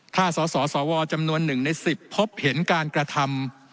ถ้าสสวจำนวน๑ใน๑๐พบเห็นการกระทำ